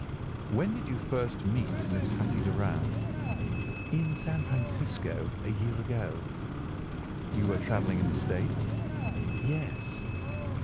"When did you first meet Miss Hatty Doran?" "In San Francisco, a year ago." "You were travelling in the States?" "Yes."